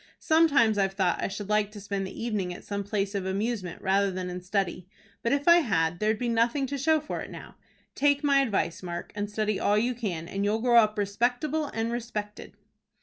Sometimes I've thought I should like to spend the evening at some place of amusement rather than in study; but if I had, there'd be nothing to show for it now. Take my advice, Mark, and study all you can, and you'll grow up respectable and respected."